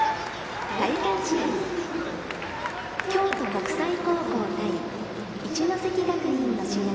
第３試合京都国際高校対一関学院の試合